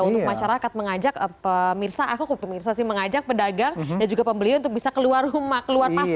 untuk masyarakat mengajak pedagang dan juga pembeli untuk bisa keluar rumah keluar pasar